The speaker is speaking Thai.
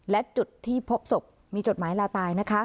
และจุดที่พบศพมีจดหมายลาตายนะคะ